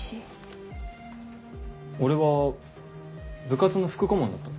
俺は部活の副顧問だった。